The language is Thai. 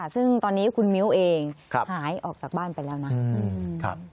ซึ่งตอนนี้คุณมิ้วเองหายออกจากบ้านไปแล้วนะ